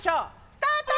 スタート！